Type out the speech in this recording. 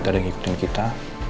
tidak ada yang ikutin kita